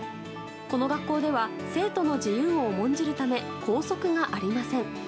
この学校では生徒の自由を重んじるため校則がありません。